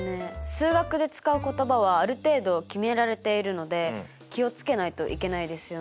数学で使う言葉はある程度決められているので気を付けないといけないですよね。